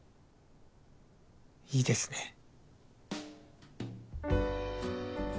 いいですね。